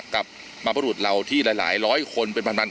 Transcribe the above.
กับมัปรุธเราที่หลายคนเป็น๑๒๐๐สมคม